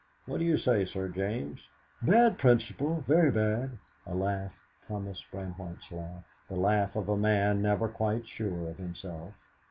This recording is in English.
What do you say, Sir James?" "Bad principle very bad!" A laugh Thomas Brandwhite's laugh, the laugh of a man never quite sure of himself.